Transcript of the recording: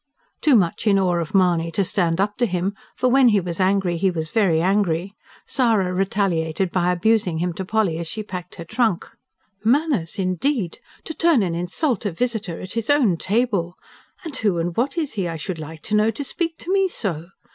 Too much in awe of Mahony to stand up to him for when he was angry, he was very angry Sara retaliated by abusing him to Polly as she packed her trunk. "Manners, indeed! To turn and insult a visitor at his own table! And who and what is he, I should like to know, to speak to me so?